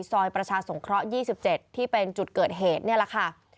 ซอยประชาสงเคราะห์๒๗ที่เป็นจุดเกิดเหตุนี่แหละค่ะ